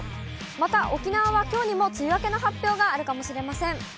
また沖縄はきょうにも梅雨明けの発表があるかもしれません。